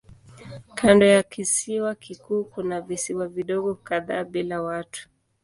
Kando ya kisiwa kikuu kuna visiwa vidogo kadhaa bila watu.